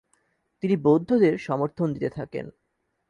তিনি বৌদ্ধদের সমর্থন দিতে থাকেন।